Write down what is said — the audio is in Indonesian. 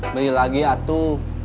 beli lagi atuh